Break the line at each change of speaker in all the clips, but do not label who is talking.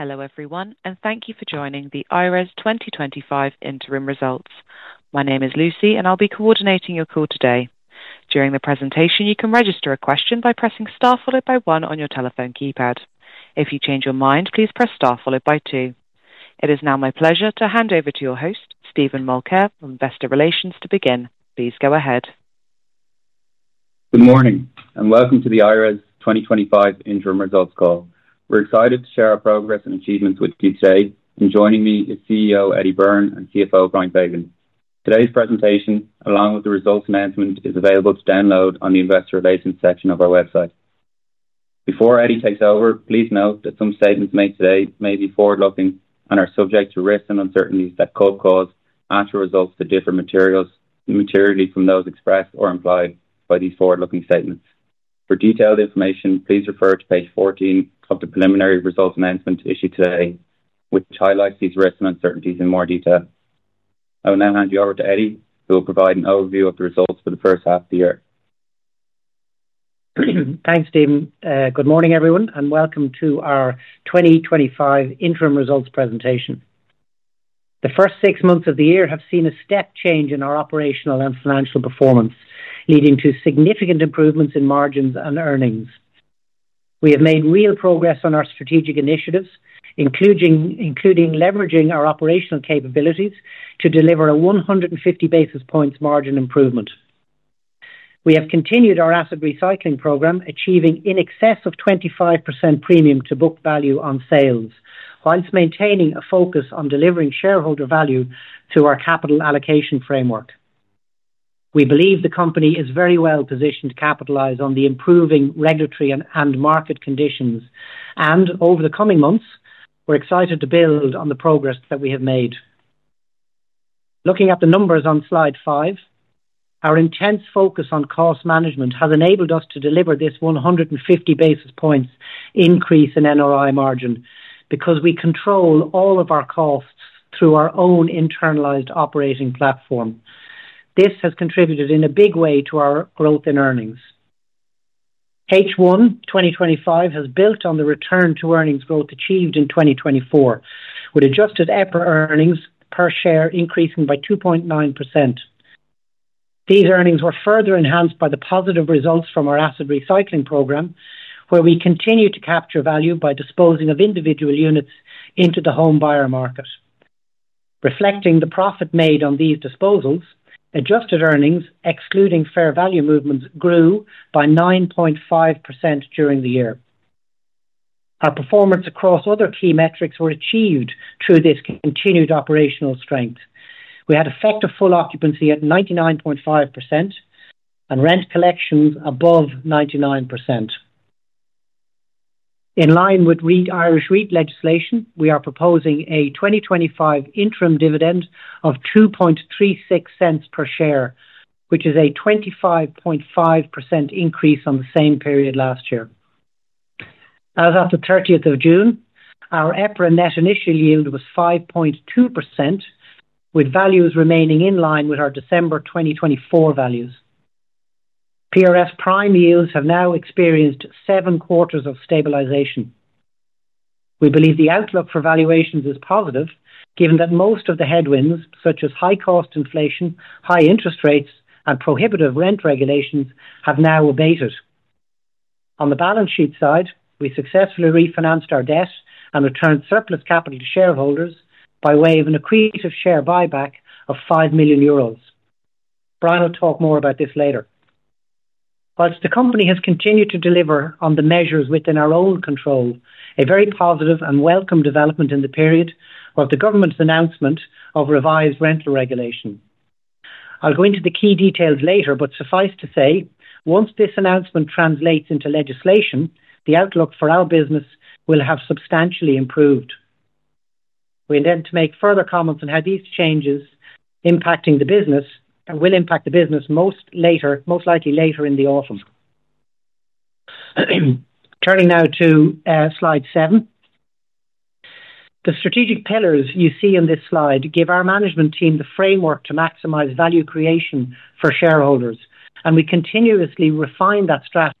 Hello everyone, and thank you for joining the I-RES 2025 Interim Results. My name is Lucy, and I'll be coordinating your call today. During the presentation, you can register a question by pressing star followed by one on your telephone keypad. If you change your mind, please press star followed by two. It is now my pleasure to hand over to your host, Stephen Mulcair, from Investor Relations, to begin. Please go ahead.
Good morning, and welcome to the I-RES 2025 Interim Results Call. We're excited to share our progress and achievements with you today, and joining me is CEO Eddie Byrne and CFO Brian Fagan. Today's presentation, along with the results announcement, is available to download on the Investor Relations section of our website. Before Eddie takes over, please note that some statements made today may be forward-looking and are subject to risks and uncertainties that could cause actual results to differ materially from those expressed or implied by these forward-looking statements. For detailed information, please refer to page 14 of the preliminary results announcement issued today, which highlights these risks and uncertainties in more detail. I will now hand you over to Eddie, who will provide an overview of the results for the first half of the year.
Thanks, Stephen. Good morning, everyone, and welcome to our 2025 interim results presentation. The first six months of the year have seen a step change in our operational and financial performance, leading to significant improvements in margins and earnings. We have made real progress on our strategic initiatives, including leveraging our operational capabilities to deliver a 150 basis points margin improvement. We have continued our asset recycling program, achieving in excess of 25% premium to book value on sales, whilst maintaining a focus on delivering shareholder value through our capital allocation framework. We believe the company is very well positioned to capitalize on the improving regulatory and market conditions, and over the coming months, we're excited to build on the progress that we have made. Looking at the numbers on slide five, our intense focus on cost management has enabled us to deliver this 150 basis points increase in NOI margin because we control all of our costs through our own internalized operating platform. This has contributed in a big way to our growth in earnings. H1 2025 has built on the return to earnings growth achieved in 2024, with adjusted EPR earnings per share increasing by 2.9%. These earnings were further enhanced by the positive results from our asset recycling program, where we continue to capture value by disposing of individual units into the home buyer market. Reflecting the profit made on these disposals, adjusted earnings, excluding fair value movements, grew by 9.5% during the year. Our performance across other key metrics was achieved through this continued operational strength. We had effective full occupancy at 99.5% and rent collections above 99%. In line with Irish REIT legislation, we are proposing a 2025 interim dividend of 0.0236 per share, which is a 25.5% increase on the same period last year. As of the 30th of June, our EPR net initial yield was 5.2%, with values remaining in line with our December 2024 values. PRS prime yields have now experienced seven quarters of stabilization. We believe the outlook for valuations is positive, given that most of the headwinds, such as high cost inflation, high interest rates, and prohibitive rent regulations, have now abated. On the balance sheet side, we successfully refinanced our debt and returned surplus capital to shareholders by way of an accretive share buyback of 5 million euros. Brian will talk more about this later. Whilst the company has continued to deliver on the measures within our own control, a very positive and welcome development in the period was the government's announcement of revised rental regulation. I'll go into the key details later, but suffice to say, once this announcement translates into legislation, the outlook for our business will have substantially improved. We intend to make further comments on how these changes impact the business and will impact the business most likely later in the autumn. Turning now to slide seven, the strategic pillars you see on this slide give our management team the framework to maximize value creation for shareholders, and we continuously refine that strategy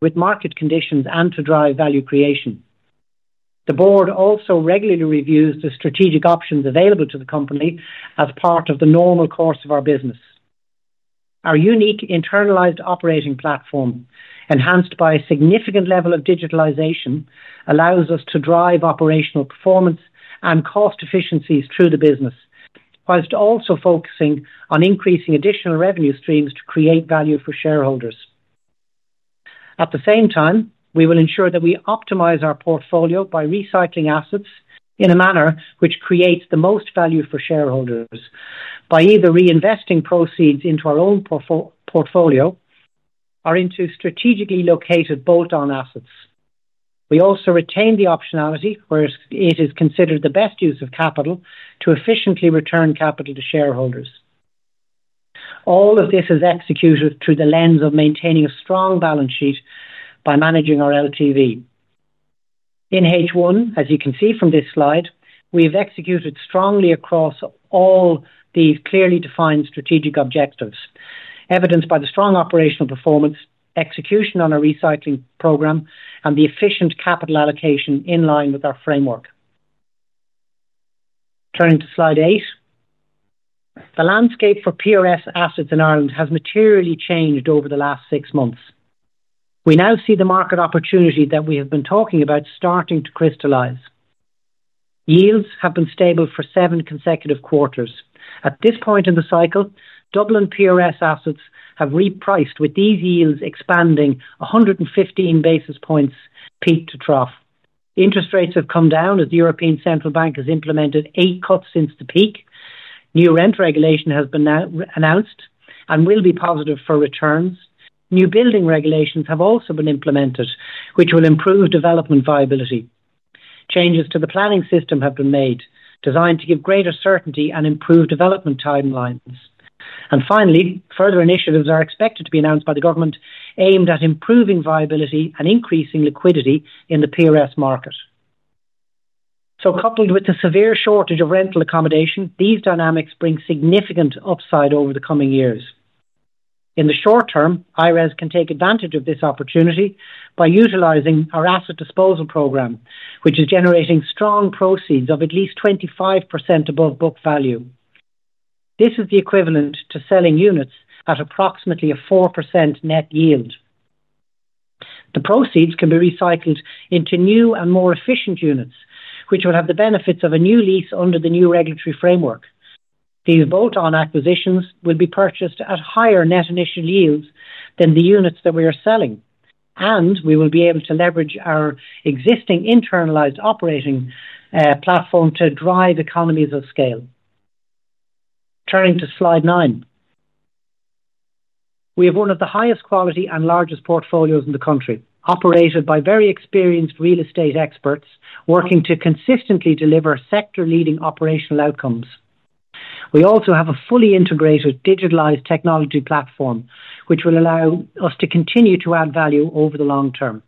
with market conditions and to drive value creation. The Board also regularly reviews the strategic options available to the company as part of the normal course of our business. Our unique internalized operating platform, enhanced by a significant level of digitalization, allows us to drive operational performance and cost efficiencies through the business, whilst also focusing on increasing additional revenue streams to create value for shareholders. At the same time, we will ensure that we optimize our portfolio by recycling assets in a manner which creates the most value for shareholders by either reinvesting proceeds into our own portfolio or into strategically located bolt-on assets. We also retain the optionality, where it is considered the best use of capital, to efficiently return capital to shareholders. All of this is executed through the lens of maintaining a strong balance sheet by managing our LTV. In H1, as you can see from this slide, we have executed strongly across all these clearly defined strategic objectives, evidenced by the strong operational performance, execution on our asset recycling program, and the efficient capital allocation in line with our framework. Turning to slide eight, the landscape for PRS assets in Ireland has materially changed over the last six months. We now see the market opportunity that we have been talking about starting to crystallize. Yields have been stable for seven consecutive quarters. At this point in the cycle, Dublin PRS assets have repriced, with these yields expanding 115 basis points peak to trough. Interest rates have come down as the European Central Bank has implemented eight cuts since the peak. New rent regulation has been announced and will be positive for returns. New building regulations have also been implemented, which will improve development viability. Changes to the planning system have been made, designed to give greater certainty and improve development timelines. Finally, further initiatives are expected to be announced by the government aimed at improving viability and increasing liquidity in the PRS market. Coupled with the severe shortage of rental accommodation, these dynamics bring significant upside over the coming years. In the short term, I-RES can take advantage of this opportunity by utilizing our asset recycling program, which is generating strong proceeds of at least 25% above book value. This is the equivalent to selling units at approximately a 4% net yield. The proceeds can be recycled into new and more efficient units, which will have the benefits of a new lease under the new regulatory framework. These bolt-on acquisitions will be purchased at higher net initial yields than the units that we are selling, and we will be able to leverage our existing internalized operating platform to drive economies of scale. Turning to slide nine, we have one of the highest quality and largest portfolios in the country, operated by very experienced real estate experts working to consistently deliver sector-leading operational outcomes. We also have a fully integrated digitalized technology platform, which will allow us to continue to add value over the long term.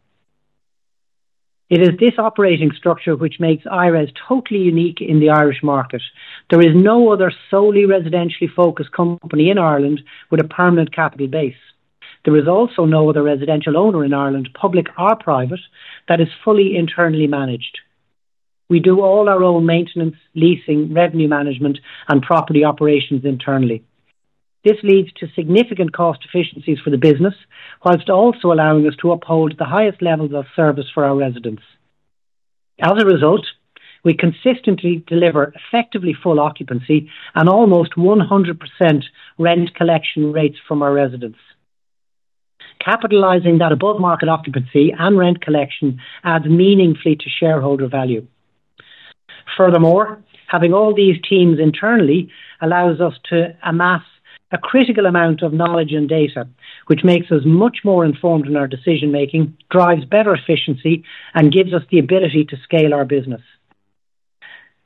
It is this operating structure which makes I-RES totally unique in the Irish market. There is no other solely residentially focused company in Ireland with a permanent capital base. There is also no other residential owner in Ireland, public or private, that is fully internally managed. We do all our own maintenance, leasing, revenue management, and property operations internally. This leads to significant cost efficiencies for the business, whilst also allowing us to uphold the highest levels of service for our residents. As a result, we consistently deliver effectively full occupancy and almost 100% rent collection rates from our residents. Capitalizing that above market occupancy and rent collection adds meaningfully to shareholder value. Furthermore, having all these teams internally allows us to amass a critical amount of knowledge and data, which makes us much more informed in our decision-making, drives better efficiency, and gives us the ability to scale our business.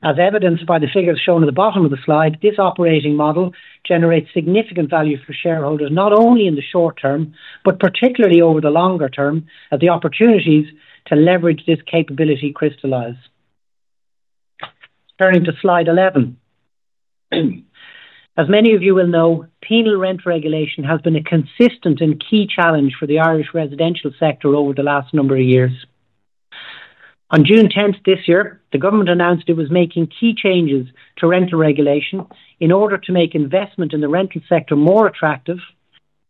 As evidenced by the figures shown at the bottom of the slide, this operating model generates significant value for shareholders not only in the short term, but particularly over the longer term as the opportunities to leverage this capability crystallize. Turning to slide 11, as many of you will know, penal rent regulation has been a consistent and key challenge for the Irish residential sector over the last number of years. On June 10th this year, the government announced it was making key changes to rental regulation in order to make investment in the rental sector more attractive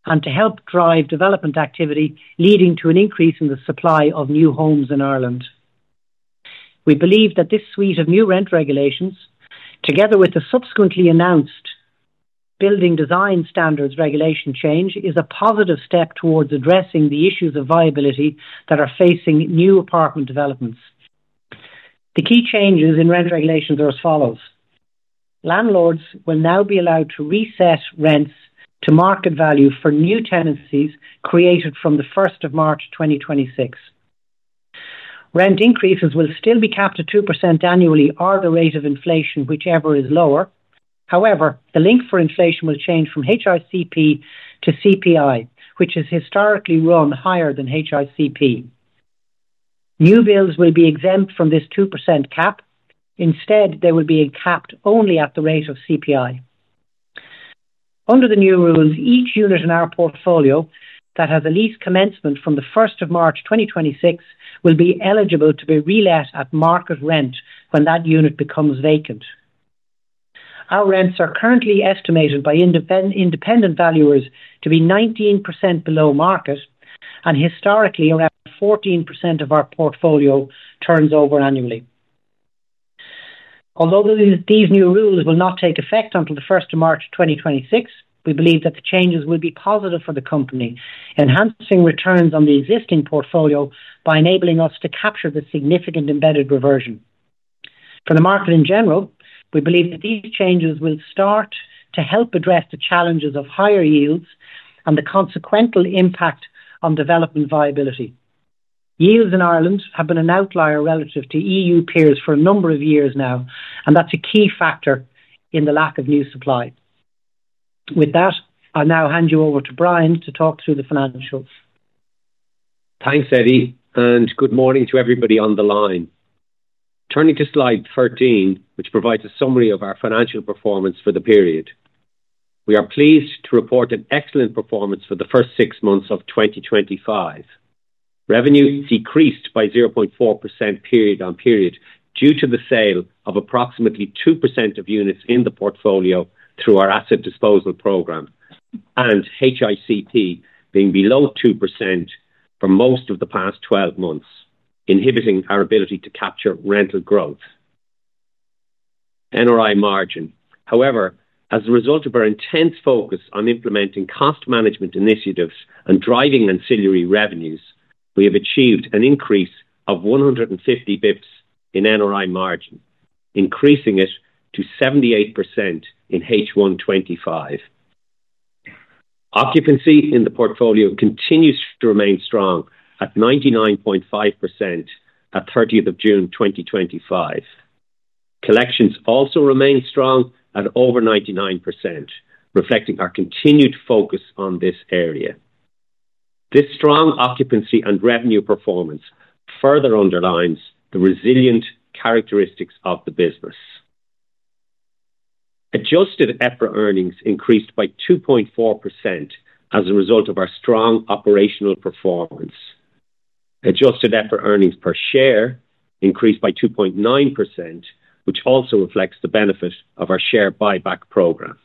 and to help drive development activity, leading to an increase in the supply of new homes in Ireland. We believe that this suite of new rent regulations, together with the subsequently announced building design standards regulation change, is a positive step towards addressing the issues of viability that are facing new apartment developments. The key changes in rent regulations are as follows: landlords will now be allowed to reset rents to market value for new tenancies created from the 1st of March 2026. Rent increases will still be capped at 2% annually or the rate of inflation, whichever is lower. However, the link for inflation will change from HICP to CPI, which has historically run higher than HICP. New builds will be exempt from this 2% cap. Instead, they will be capped only at the rate of CPI. Under the new rules, each unit in our portfolio that has a lease commencement from the 1st of March 2026 will be eligible to be re-let at market rent when that unit becomes vacant. Our rents are currently estimated by independent valuers to be 19% below market, and historically, around 14% of our portfolio turns over annually. Although these new rules will not take effect until the 1st of March 2026, we believe that the changes will be positive for the company, enhancing returns on the existing portfolio by enabling us to capture the significant embedded reversion. For the market in general, we believe that these changes will start to help address the challenges of higher yields and the consequential impact on development viability. Yields in Ireland have been an outlier relative to EU peers for a number of years now, and that's a key factor in the lack of new supply. With that, I'll now hand you over to Brian to talk through the financials.
Thanks, Eddie, and good morning to everybody on the line. Turning to slide 13, which provides a summary of our financial performance for the period, we are pleased to report an excellent performance for the first six months of 2025. Revenues decreased by 0.4% period on period due to the sale of approximately 2% of units in the portfolio through our asset recycling program and HICP being below 2% for most of the past 12 months, inhibiting our ability to capture rental growth. NOI margin, however, as a result of our intense focus on implementing cost management initiatives and driving ancillary revenues, we have achieved an increase of 150 basis points in NOI margin, increasing it to 78% in H1 2025. Occupancy in the portfolio continues to remain strong at 99.5% at 30th of June 2025. Collections also remain strong at over 99%, reflecting our continued focus on this area. This strong occupancy and revenue performance further underlines the resilient characteristics of the business. Adjusted EPRA earnings increased by 2.4% as a result of our strong operational performance. Adjusted EPRA earnings per share increased by 2.9%, which also reflects the benefit of our share buyback program.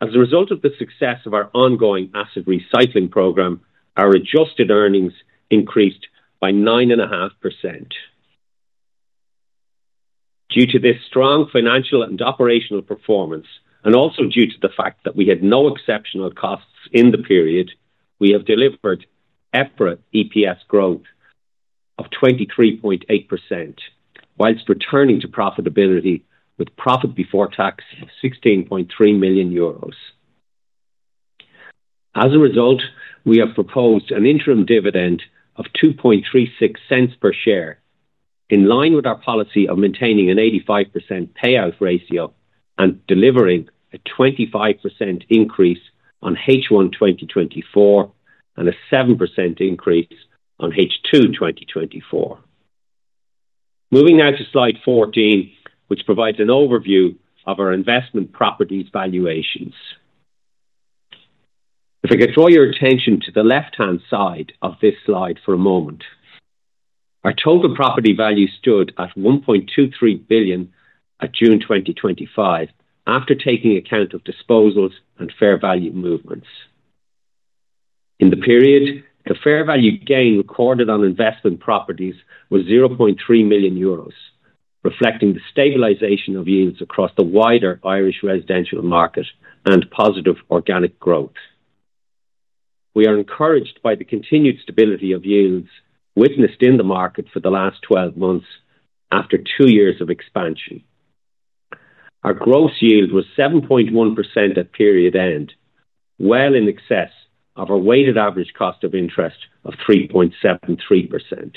As a result of the success of our ongoing asset recycling program, our adjusted earnings increased by 9.5%. Due to this strong financial and operational performance, and also due to the fact that we had no exceptional costs in the period, we have delivered EPRA EPS growth of 23.8%, whilst returning to profitability with profit before tax of 16.3 million euros. As a result, we have proposed an interim dividend of 0.0236 per share, in line with our policy of maintaining an 85% payout ratio and delivering a 25% increase on H1 2024 and a 7% increase on H2 2024. Moving now to slide 14, which provides an overview of our investment properties valuations. If I could draw your attention to the left-hand side of this slide for a moment, our total property value stood at 1.23 billion at June 2025, after taking account of disposals and fair value movements. In the period, the fair value gain recorded on investment properties was 0.3 million euros, reflecting the stabilization of yields across the wider Irish residential market and positive organic growth. We are encouraged by the continued stability of yields witnessed in the market for the last 12 months after two years of expansion. Our gross yield was 7.1% at period end, well in excess of our weighted average cost of interest of 3.73%.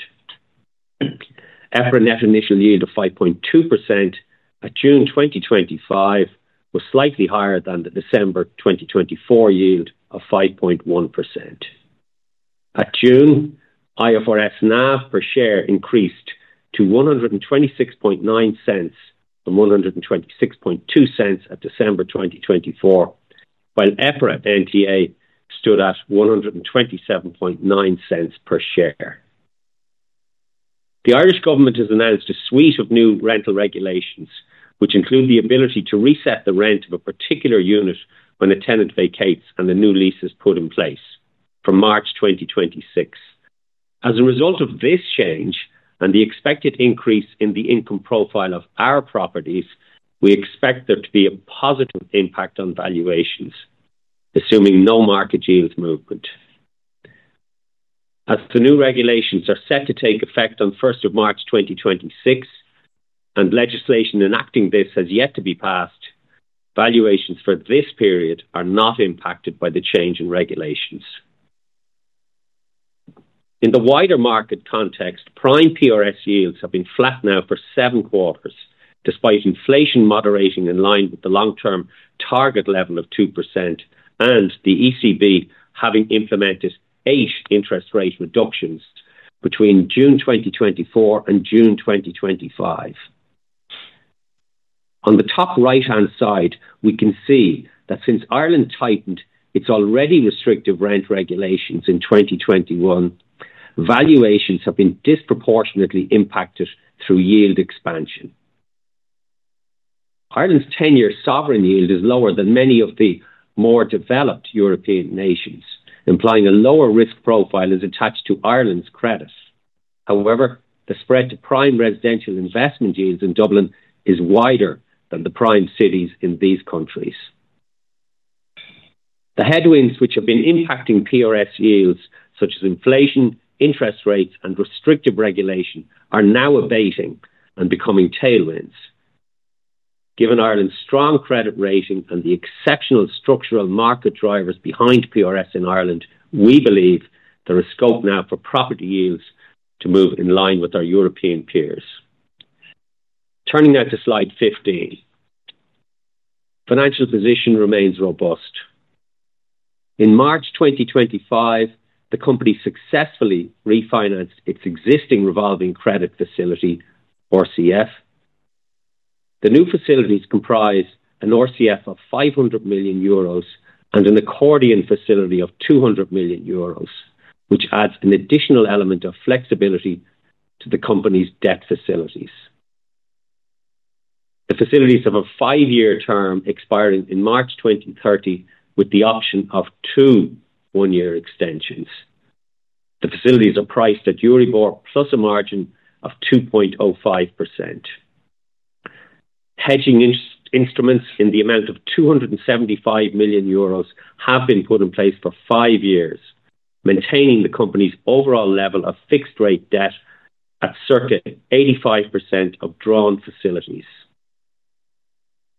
EPRA net initial yield of 5.2% at June 2025 was slightly higher than the December 2024 yield of 5.1%. At June, IFRS NAV per share increased to 1.269 from 1.262 at December 2024, while EPRA NTA stood at 1.279 per share. The Irish government has announced a suite of new rental regulations, which include the ability to reset the rent of a particular unit when a tenant vacates and a new lease is put in place from March 2026. As a result of this change and the expected increase in the income profile of our properties, we expect there to be a positive impact on valuations, assuming no market yield movement. As the new regulations are set to take effect on 1st of March 2026, and legislation enacting this has yet to be passed, valuations for this period are not impacted by the change in regulations. In the wider market context, prime PRS yields have been flat now for seven quarters, despite inflation moderating in line with the long-term target level of 2% and the ECB having implemented eight interest rate reductions between June 2024 and June 2025. On the top right-hand side, we can see that since Ireland tightened its already restrictive rent regulations in 2021, valuations have been disproportionately impacted through yield expansion. Ireland's 10-year sovereign yield is lower than many of the more developed European nations, implying a lower risk profile is attached to Ireland's credit. However, the spread to prime residential investment yields in Dublin is wider than the prime cities in these countries. The headwinds which have been impacting PRS yields, such as inflation, interest rates, and restrictive regulation, are now abating and becoming tailwinds. Given Ireland's strong credit rating and the exceptional structural market drivers behind PRS in Ireland, we believe there is scope now for property yields to move in line with our European peers. Turning now to slide 15, financial position remains robust. In March 2025, the company successfully refinanced its existing revolving credit facility, RCF. The new facilities comprise an RCF of 500 million euros and an accordion facility of 200 million euros, which adds an additional element of flexibility to the company's debt facilities. The facilities have a five-year term expiring in March 2030, with the option of two one-year extensions. The facilities are priced at Euribor plus a margin of 2.05%. Hedging instruments in the amount of 275 million euros have been put in place for five years, maintaining the company's overall level of fixed-rate debt at circa 85% of drawn facilities.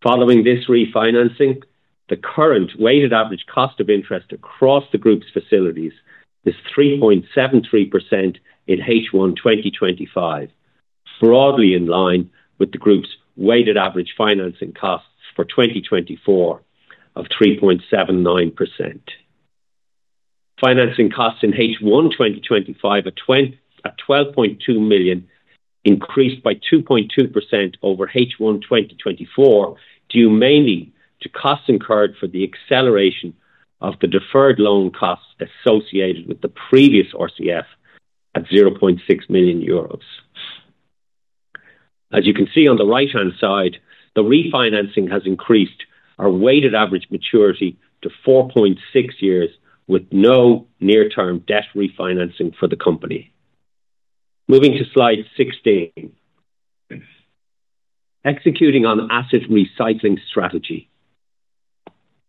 Following this refinancing, the current weighted average cost of interest across the group's facilities is 3.73% in H1 2025, broadly in line with the group's weighted average financing cost for 2024 of 3.79%. Financing costs in H1 2025 at 12.2 million increased by 2.2% over H1 2024, due mainly to costs incurred for the acceleration of the deferred loan costs associated with the previous revolving credit facility at 0.6 million euros. As you can see on the right-hand side, the refinancing has increased our weighted average maturity to 4.6 years with no near-term debt refinancing for the company. Moving to slide 16, executing on the asset recycling strategy.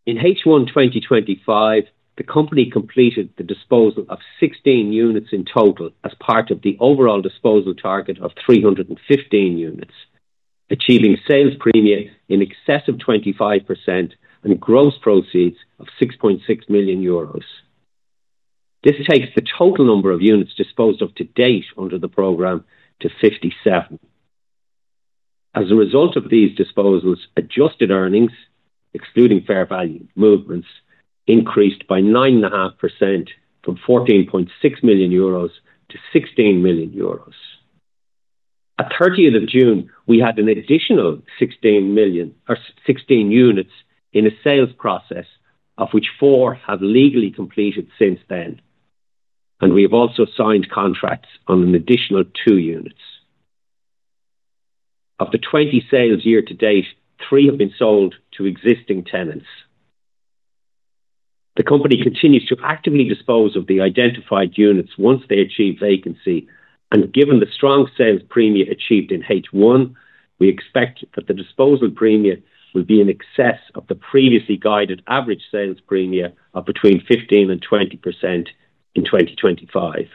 In H1 2025, the company completed the disposal of 16 units in total as part of the overall disposal target of 315 units, achieving sales premiums in excess of 25% and gross proceeds of 6.6 million euros. This takes the total number of units disposed of to date under the program to 57. As a result of these disposals, adjusted earnings, excluding fair value movements, increased by 9.5% from 14.6 million euros to 16 million euros. At June 30, we had an additional 16 million or 16 units in a sales process of which four have legally completed since then, and we have also signed contracts on an additional two units. Of the 20 sales year to date, three have been sold to existing tenants. The company continues to actively dispose of the identified units once they achieve vacancy, and given the strong sales premium achieved in H1, we expect that the disposal premium will be in excess of the previously guided average sales premium of between 15% and 20% in 2025.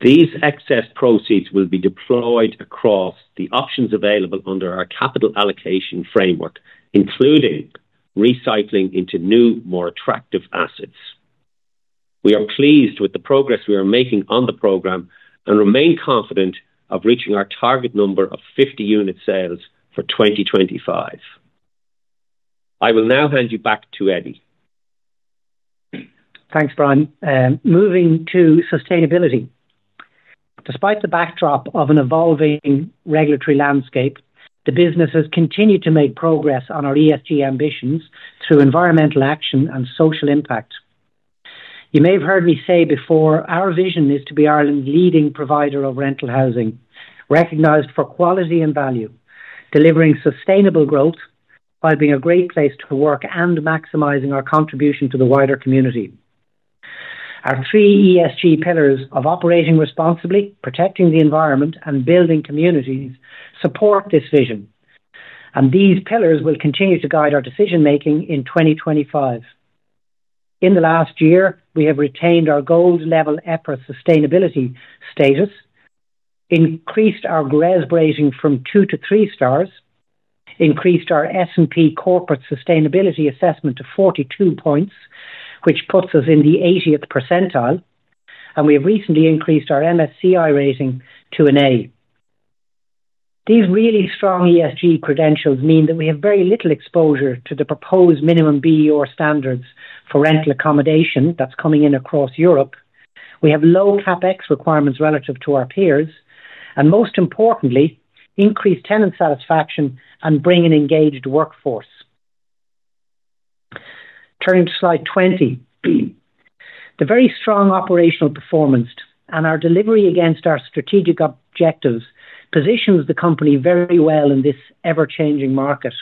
These excess proceeds will be deployed across the options available under our capital allocation framework, including recycling into new, more attractive assets. We are pleased with the progress we are making on the program and remain confident of reaching our target number of 50 unit sales for 2025. I will now hand you back to Eddie.
Thanks, Brian. Moving to sustainability. Despite the backdrop of an evolving regulatory landscape, the business has continued to make progress on our ESG ambitions through environmental action and social impact. You may have heard me say before, our vision is to be Ireland's leading provider of rental housing, recognized for quality and value, delivering sustainable growth while being a great place to work and maximizing our contribution to the wider community. Our three ESG pillars of operating responsibly, protecting the environment, and building communities support this vision, and these pillars will continue to guide our decision-making in 2025. In the last year, we have retained our gold-level EPRA sustainability status, increased our GRES rating from two to three stars, increased our S&P Corporate Sustainability Assessment to 42 points, which puts us in the 80th percentile, and we have recently increased our MSCI rating to an A. These really strong ESG credentials mean that we have very little exposure to the proposed minimum BEO standards for rental accommodation that's coming in across Europe. We have low CapEx requirements relative to our peers, and most importantly, increased tenant satisfaction and bring an engaged workforce. Turning to slide 20, the very strong operational performance and our delivery against our strategic objectives positions the company very well in this ever-changing market.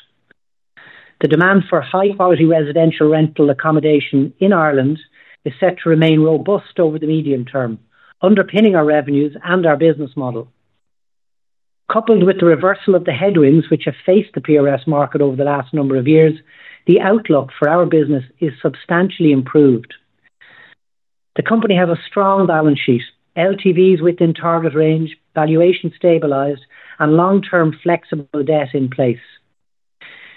The demand for high-quality residential rental accommodation in Ireland is set to remain robust over the medium term, underpinning our revenues and our business model. Coupled with the reversal of the headwinds which have faced the PRS market over the last number of years, the outlook for our business is substantially improved. The company has a strong balance sheet, LTVs within target range, valuation stabilized, and long-term flexible debt in place.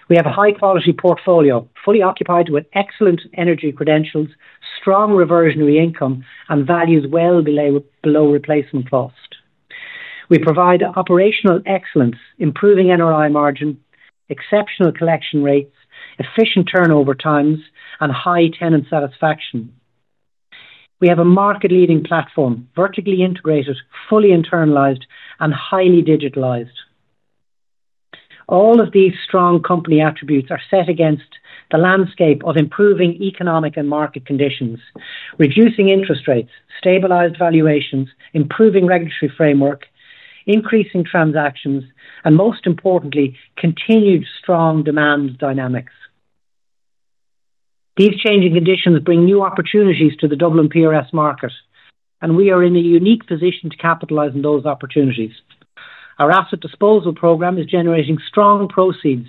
We have a high-quality portfolio, fully occupied with excellent energy credentials, strong reversionary income, and values well below replacement cost. We provide operational excellence, improving NOI margin, exceptional collection rates, efficient turnover times, and high tenant satisfaction. We have a market-leading platform, vertically integrated, fully internalized, and highly digitalized. All of these strong company attributes are set against the landscape of improving economic and market conditions, reducing interest rates, stabilized valuations, improving regulatory framework, increasing transactions, and most importantly, continued strong demand dynamics. These changing conditions bring new opportunities to the Dublin PRS market, and we are in a unique position to capitalize on those opportunities. Our asset disposal program is generating strong proceeds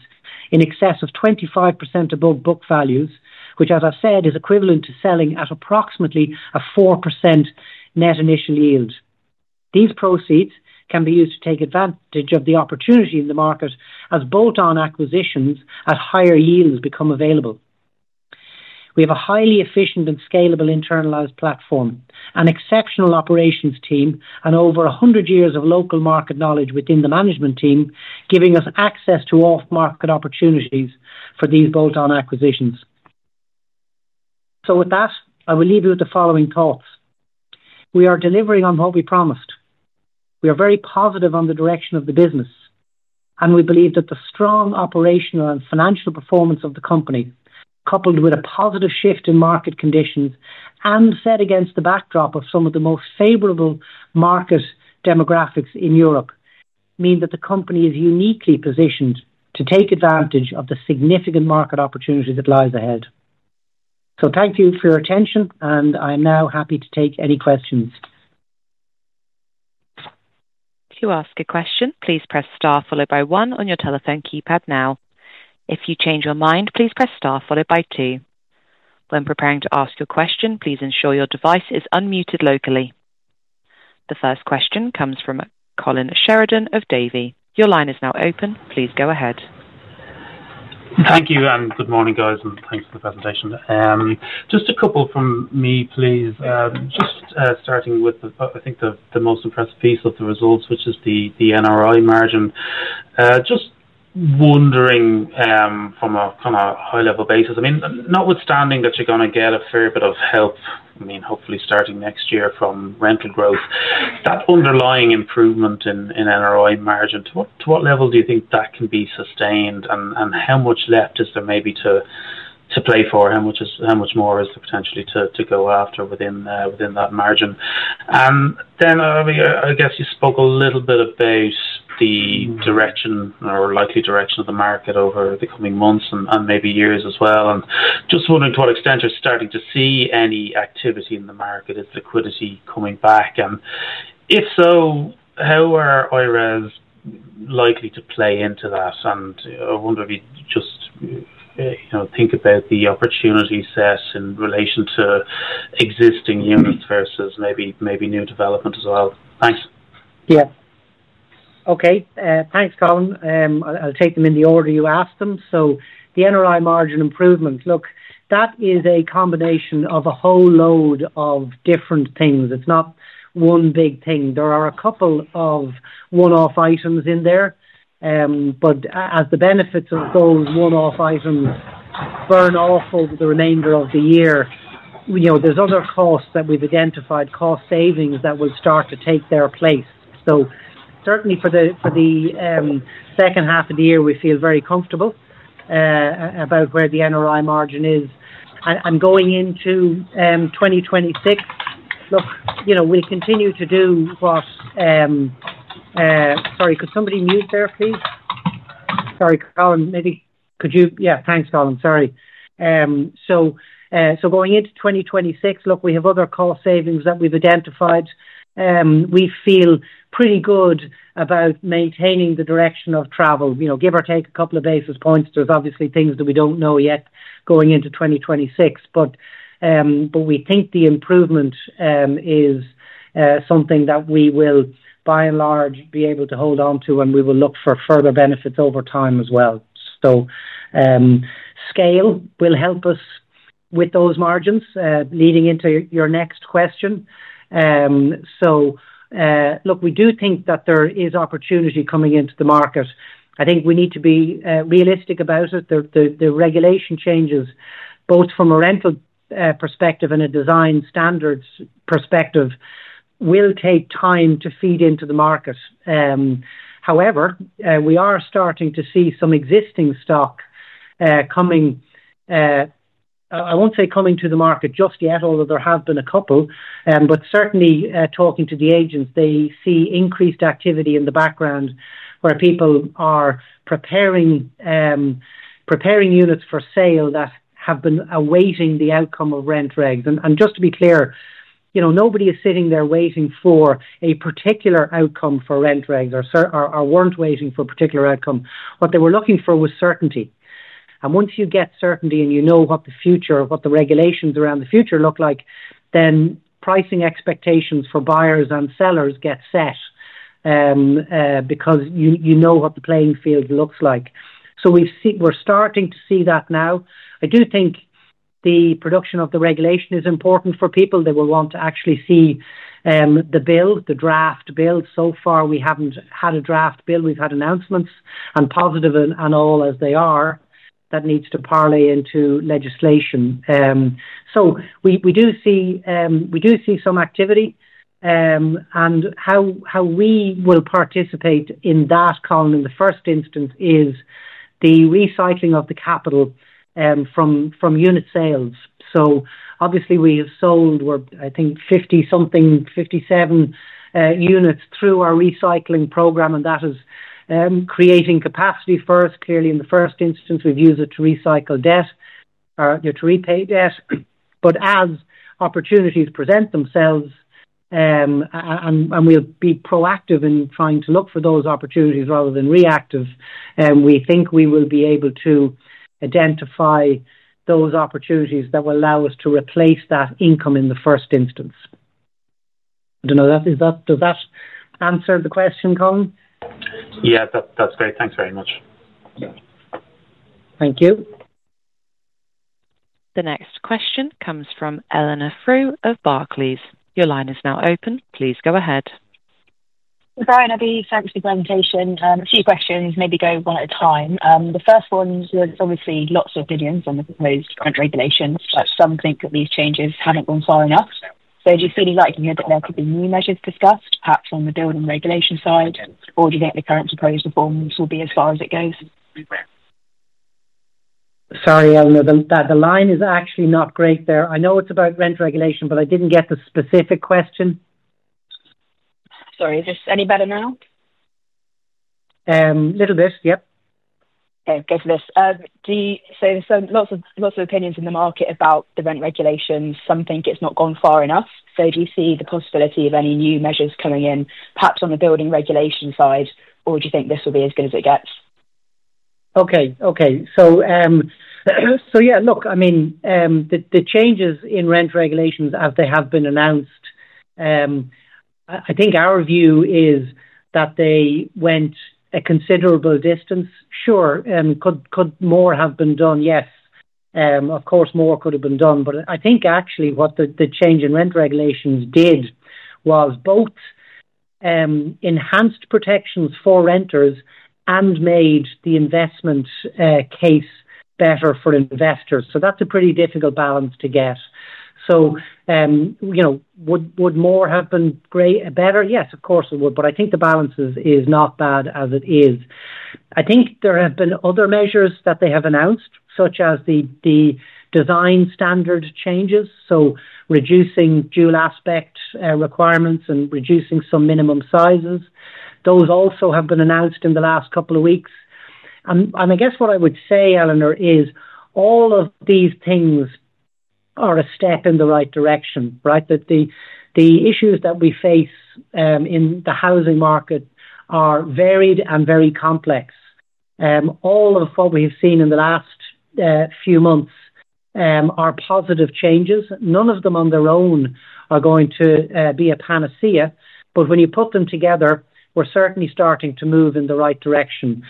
in excess of 25% above book values, which, as I've said, is equivalent to selling at approximately a 4% net initial yield. These proceeds can be used to take advantage of the opportunity in the market as bolt-on acquisitions at higher yields become available. We have a highly efficient and scalable internalized platform, an exceptional operations team, and over 100 years of local market knowledge within the management team, giving us access to off-market opportunities for these bolt-on acquisitions. I will leave you with the following thoughts. We are delivering on what we promised. We are very positive on the direction of the business, and we believe that the strong operational and financial performance of the company, coupled with a positive shift in market conditions and set against the backdrop of some of the most favorable market demographics in Europe, means that the company is uniquely positioned to take advantage of the significant market opportunity that lies ahead. Thank you for your attention, and I am now happy to take any questions.
To ask a question, please press star 1 on your telephone keypad now. If you change your mind, please press star followed by two. When preparing to ask your question, please ensure your device is unmuted locally. The first question comes from Colin Sheridan of Davy. Your line is now open. Please go ahead.
Thank you, and good morning, guys, and thanks for the presentation. Just a couple from me, please. Just starting with, I think, the most impressive piece of the results, which is the NOI margin. Just wondering, from a kind of high-level basis, notwithstanding that you're going to get a fair bit of help, hopefully starting next year from rental growth, that underlying improvement in NOI margin, to what level do you think that can be sustained and how much left is there maybe to play for? How much more is there potentially to go after within that margin? I guess you spoke a little bit about the direction or likely direction of the market over the coming months and maybe years as well, and just wondering to what extent you're starting to see any activity in the market. Is liquidity coming back? If so, how are I-RES likely to play into that? I wonder if you just think about the opportunity set in relation to existing units versus maybe new development as well. Thanks.
Okay, thanks, Colin. I'll take them in the order you asked them. The NOI margin improvements, look, that is a combination of a whole load of different things. It's not one big thing. There are a couple of one-off items in there. As the benefits of those one-off items burn off over the remainder of the year, there are other costs that we've identified, cost savings that will start to take their place. Certainly for the second half of the year, we feel very comfortable about where the NOI margin is. Going into 2026, we continue to do what... Sorry, could somebody mute there, please? Sorry, Colin, maybe could you... Yeah, thanks, Colin. Sorry. Going into 2026, we have other cost savings that we've identified. We feel pretty good about maintaining the direction of travel, give or take a couple of basis points. There are obviously things that we don't know yet going into 2026, but we think the improvement is something that we will, by and large, be able to hold on to, and we will look for further benefits over time as well. Scale will help us with those margins, leading into your next question. We do think that there is opportunity coming into the market. I think we need to be realistic about it. The regulation changes, both from a rental perspective and a design standards perspective, will take time to feed into the market. However, we are starting to see some existing stock coming... I won't say coming to the market just yet, although there have been a couple, but certainly talking to the agents, they see increased activity in the background where people are preparing units for sale that have been awaiting the outcome of rent regs. Just to be clear, nobody is sitting there waiting for a particular outcome for rent regs or weren't waiting for a particular outcome. What they were looking for was certainty. Once you get certainty and you know what the future, what the regulations around the future look like, then pricing expectations for buyers and sellers get set because you know what the playing field looks like. We're starting to see that now. I do think the production of the regulation is important for people. They will want to actually see the bill, the draft bill. So far, we haven't had a draft bill. We've had announcements, and positive and all as they are, that need to parlay into legislation. We do see some activity. We will participate in that, Colin, in the first instance, through the recycling of the capital from unit sales. Obviously, we have sold, I think, 57 units through our asset recycling program, and that is creating capacity first. Clearly, in the first instance, we've used it to recycle debt or to repay debt. As opportunities present themselves, and we'll be proactive in trying to look for those opportunities rather than reactive, we think we will be able to identify those opportunities that will allow us to replace that income in the first instance. I don't know. Does that answer the question, Colin?
Yeah, that's great. Thanks very much.
Thank you.
The next question comes from Eleanor Frew of Barclays. Your line is now open. Please go ahead.
Hi, Eddie. Thanks for the presentation. A few questions, maybe go one at a time. The first one is that obviously lots of opinions on the proposed current regulations, but some think that these changes haven't gone far enough. Do you feel you'd like to hear that there could be new measures discussed, perhaps on the building regulation side, or do you think the current proposed reforms will be as far as it goes?
Sorry, Eleanor, the line is actually not great there. I know it's about rent regulation, but I didn't get the specific question.
Sorry, is this any better now?
A little bit, yep.
Go for this. There's lots of opinions in the market about the rent regulations. Some think it's not gone far enough. Do you see the possibility of any new measures coming in, perhaps on the building regulation side, or do you think this will be as good as it gets?
Okay, okay. Look, I mean, the changes in rent regulations, as they have been announced, I think our view is that they went a considerable distance. Sure, could more have been done? Yes. Of course, more could have been done. I think actually what the change in rent regulations did was both enhance protections for renters and make the investment case better for investors. That's a pretty difficult balance to get. Would more have been better? Yes, of course it would. I think the balance is not bad as it is. There have been other measures that they have announced, such as the design standard changes, reducing dual aspect requirements and reducing some minimum sizes. Those also have been announced in the last couple of weeks. I guess what I would say, Eleanor, is all of these things are a step in the right direction, right? The issues that we face in the housing market are varied and very complex. All of what we have seen in the last few months are positive changes. None of them on their own are going to be a panacea, but when you put them together, we're certainly starting to move in the right direction.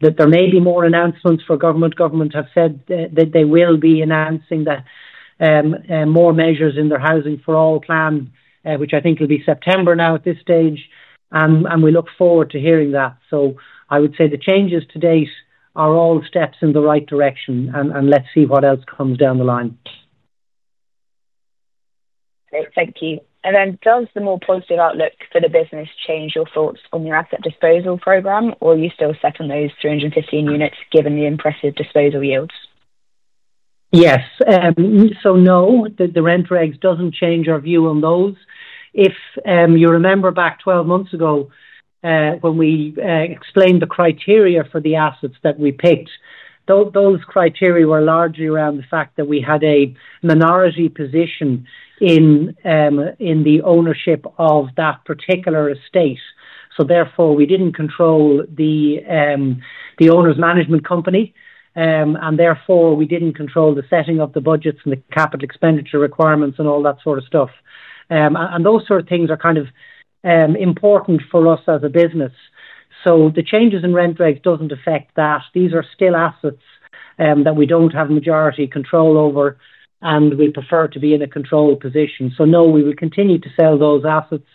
There may be more announcements from government. Government have said that they will be announcing more measures in their Housing for All plan, which I think will be September now at this stage. We look forward to hearing that. I would say the changes to date are all steps in the right direction. Let's see what else comes down the line.
Great, thank you. Does the more positive outlook for the business change your thoughts on your asset recycling program, or are you still set on those 315 units given the impressive disposal yields?
Yes. No, the rent regs doesn't change our view on those. If you remember back 12 months ago when we explained the criteria for the assets that we picked, those criteria were largely around the fact that we had a minority position in the ownership of that particular estate. Therefore, we didn't control the owner's management company, and therefore, we didn't control the setting of the budgets and the capital expenditure requirements and all that sort of stuff. Those sort of things are kind of important for us as a business. The changes in rent regs don't affect that. These are still assets that we don't have majority control over, and we prefer to be in a controlled position. No, we will continue to sell those assets.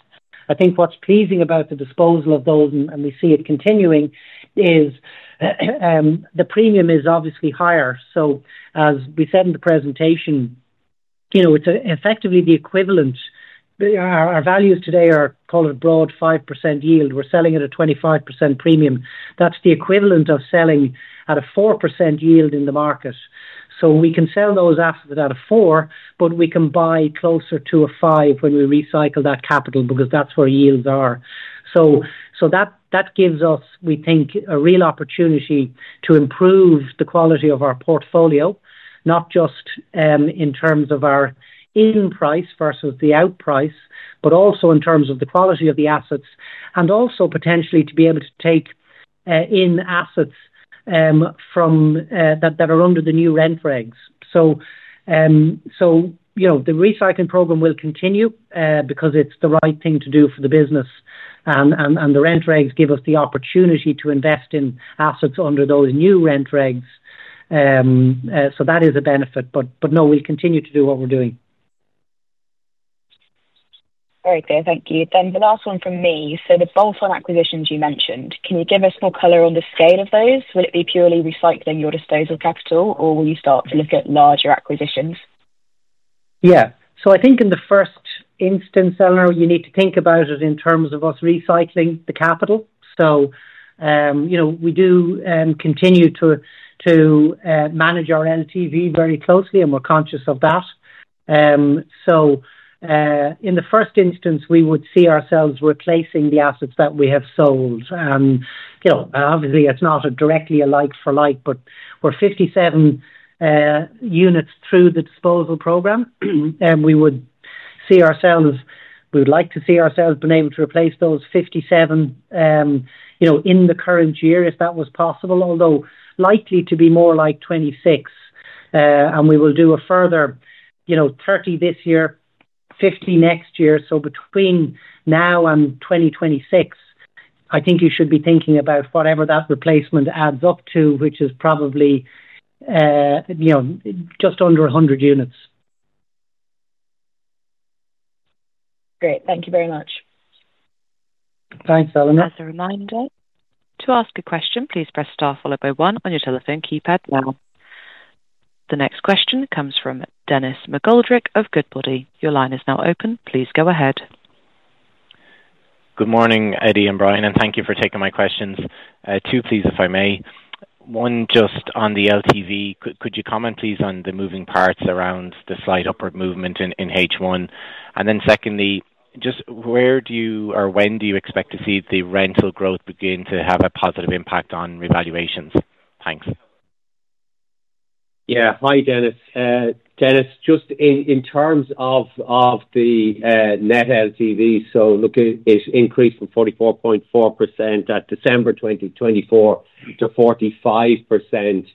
I think what's pleasing about the disposal of those, and we see it continuing, is the premium is obviously higher. As we said in the presentation, it's effectively the equivalent. Our values today are called a broad 5% yield. We're selling at a 25% premium. That's the equivalent of selling at a 4% yield in the market. We can sell those assets at a 4%, but we can buy closer to a 5% when we recycle that capital because that's where yields are. That gives us, we think, a real opportunity to improve the quality of our portfolio, not just in terms of our in-price versus the out-price, but also in terms of the quality of the assets, and also potentially to be able to take in assets that are under the new rent regs. The recycling program will continue because it's the right thing to do for the business, and the rent regs give us the opportunity to invest in assets under those new rent regs. That is a benefit. No, we'll continue to do what we're doing.
Very good, thank you. The last one from me. The bolt-on acquisitions you mentioned, can you give us more color on the scale of those? Will it be purely recycling your disposal capital, or will you start to look at larger acquisitions?
Yeah, I think in the first instance, Eleanor, you need to think about it in terms of us recycling the capital. We do continue to manage our LTV very closely, and we're conscious of that. In the first instance, we would see ourselves replacing the assets that we have sold. Obviously, it's not directly a like-for-like, but we're 57 units through the disposal program. We would like to see ourselves being able to replace those 57 in the current year if that was possible, although likely to be more like 26. We will do a further 30 this year, 50 next year. Between now and 2026, I think you should be thinking about whatever that replacement adds up to, which is probably just under 100 units.
Great, thank you very much.
Thanks, Eleanor.
As a reminder, to ask a question, please press star followed by one on your telephone keypad now. The next question comes from Denis McGoldrick of Goodbody. Your line is now open. Please go ahead.
Good morning, Eddie and Brian, and thank you for taking my questions. Two, please, if I may. One, just on the LTV, could you comment, please, on the moving parts around the slight upward movement in H1? Secondly, just where do you, or when do you expect to see the rental growth begin to have a positive impact on revaluations? Thanks.
Yeah, hi Denis. Denis, just in terms of the net LTV, it's increased from 44.4% at December 2024 to 45%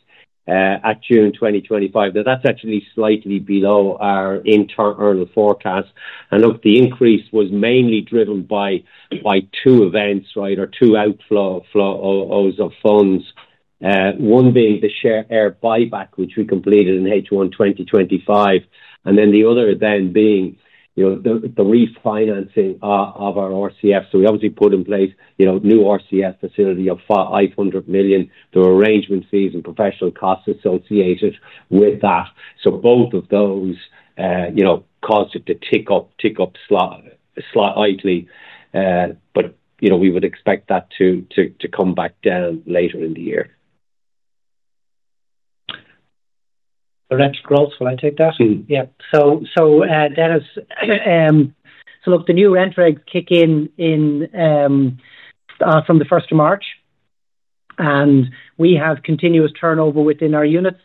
at June 2025. That's actually slightly below our internal forecast. The increase was mainly driven by two events, or two outflows of funds. One being the share buyback, which we completed in H1 2025, and the other event being the refinancing of our revolving credit facility. We obviously put in place a new revolving credit facility of 500 million through arrangement fees and professional costs associated with that. Both of those caused it to tick up slightly, but we would expect that to come back down later in the year.
The rent growth, will I take that? Yeah, so Dennis, the new rent reg kick in from the 1st of March, and we have continuous turnover within our units.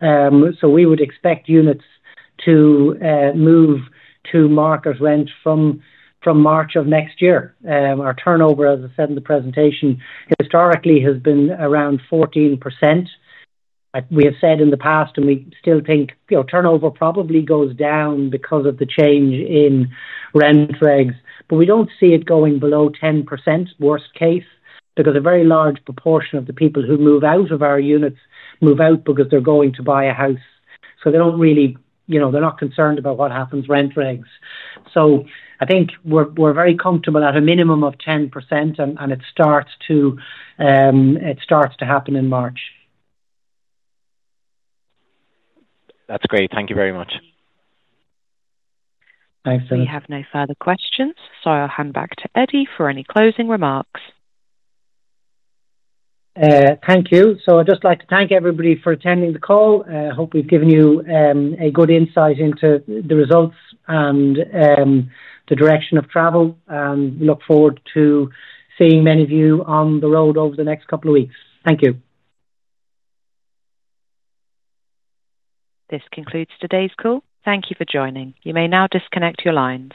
We would expect units to move to market rent from March of next year. Our turnover, as I said in the presentation, historically has been around 14%. We have said in the past, and we still think, turnover probably goes down because of the change in rent regs, but we don't see it going below 10%, worst case, because a very large proportion of the people who move out of our units move out because they're going to buy a house. They don't really, you know, they're not concerned about what happens to rent regs. I think we're very comfortable at a minimum of 10%, and it starts to happen in March.
That's great. Thank you very much.
Thanks, Denis.
We have no further questions. I'll hand back to Eddie for any closing remarks.
Thank you. I'd just like to thank everybody for attending the call. I hope we've given you a good insight into the results and the direction of travel. We look forward to seeing many of you on the road over the next couple of weeks. Thank you.
This concludes today's call. Thank you for joining. You may now disconnect your lines.